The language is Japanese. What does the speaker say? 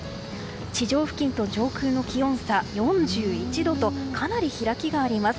地上付近と上空の気温差４１度と、かなり開きがあります。